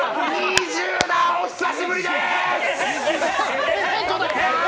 お久しぶりでーす！！